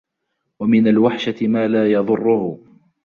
وَمِنْ الْوَحْشَةِ مَا لَا يَضُرُّهُ